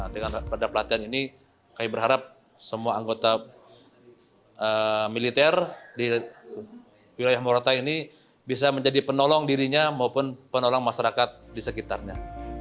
dengan pada pelatihan ini kami berharap semua anggota militer di wilayah morotai ini bisa menjadi penolong dirinya maupun penolong masyarakat di sekitarnya